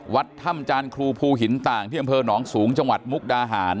วัดถ้ำจานครูภูหินต่างที่อำเภอหนองสูงจังหวัดมุกดาหาร